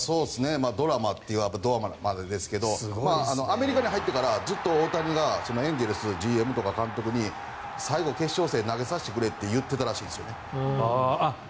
ドラマといえばドラマですがアメリカに入ってからずっと大谷がエンゼルスのＧＭとか監督に最後、決勝戦、投げさせてくれと言っていたみたいですね。